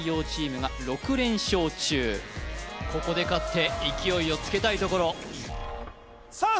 現在ここで勝って勢いをつけたいところさあ